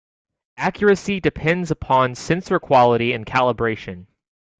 Accuracy depends upon sensor quality and calibration.